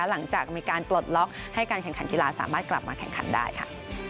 หลังจากมีการปลดล็อกให้การแข่งขันกีฬาสามารถกลับมาแข่งขันได้ค่ะ